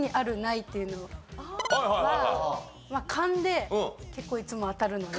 っていうのはまあ勘で結構いつも当たるので。